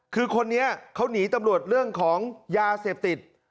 คือคนนี้เขาหนีตำรวจเรื่องของยาเสพติด